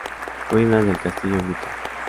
Ruinas del Castillo Mito.